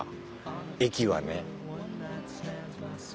駅はね。